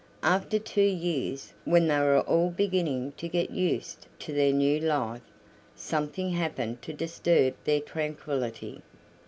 After two years, when they were all beginning to get used to their new life, something happened to disturb their tranquillity.